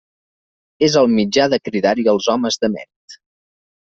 És el mitjà de cridar-hi els homes de mèrit.